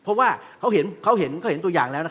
เพราะว่าเขาเหตุอย่างแล้ว